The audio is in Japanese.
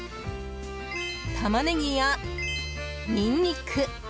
タマネギやニンニク。